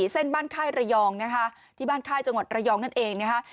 เส้นบ้านค่ายระยองนะคะที่บ้านค่ายจังหวัดระยองนั่นเองนะคะ